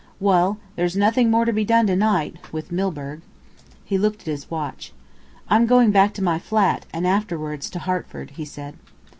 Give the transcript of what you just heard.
Well, there's nothing more to be done to night with Milburgh." He looked at his watch. "I'm going back to my flat, and afterwards to Hertford," he said.